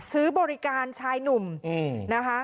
ซื้อบริการชายหนุ่มนะคะ